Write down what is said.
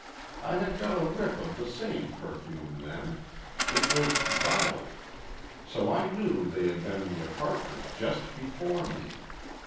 I had got a whiff of the same perfume then. It was violet. So I knew they had been in the apartment just before me.